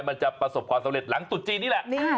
มันจะประสบความสำเร็จหลังตุดจีนนี่แหละ